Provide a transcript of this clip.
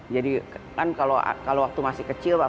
jadi kan kalau waktu masih kecil